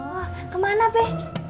oh kemana be